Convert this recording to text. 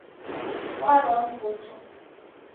Warwa Mvuto